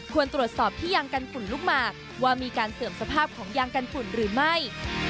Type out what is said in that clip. ควรตรวจสอบที่ยางกันฝุ่นลุกมาว่ามีการเสื่อมสภาพของยางกันฝุ่นหรือไม่